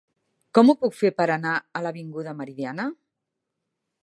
Com ho puc fer per anar a l'avinguda Meridiana?